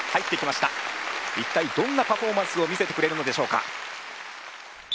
一体どんなパフォーマンスを見せてくれるのでしょうか？